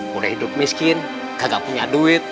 mulai hidup miskin kagak punya duit